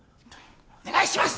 お願いします！